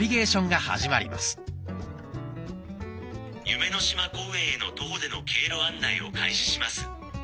夢の島公園への徒歩での経路案内を開始します。